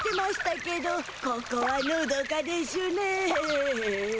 ここはのどかでしゅねえ。